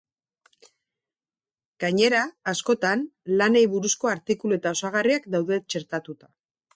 Gainera, askotan, lanei buruzko artikulu eta osagarriak daude txertatuta.